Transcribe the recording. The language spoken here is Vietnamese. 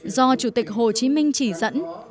do chủ tịch hồ chí minh chỉ dẫn